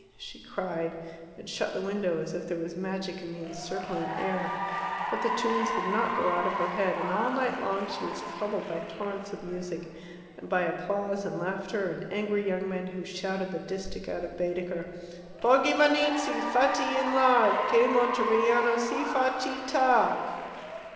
she cried, and shut the window as if there was magic in the encircling air. But the tunes would not go out of her head, and all night long she was troubled by torrents of music, and by applause and laughter, and angry young men who shouted the distich out of Baedeker: Poggibonizzi fatti in la, Che Monteriano si fa citta!